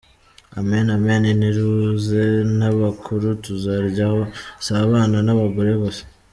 Amen Amen! Ni ruze n'abakuru tuzaryaho! Si abana n'abagore gusa!.